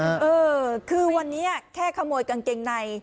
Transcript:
เออคือวันนี้แค่ขโมยกางเกงใน